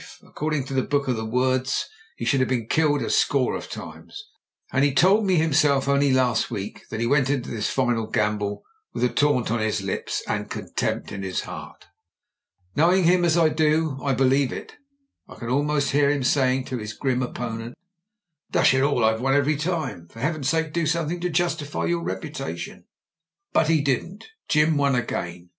According to the book of the words, he should have been killed a score of times, and he told me himself only last week that he went into this final gamble with a taunt on his lips and contempt in his heart. Knowing him as I do, I believe it. I can almost hear him saying to his grim opponent, "Dash it all! I've won every time; for Heaven's sake do something to justify your repu tation." But — he didn't; Jim won again.